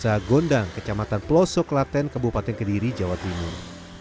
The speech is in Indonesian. salah satunya di desa gondang kecamatan pelosok klaten kebupaten kediri jawa timur